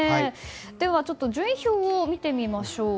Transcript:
順位表を見てみましょう。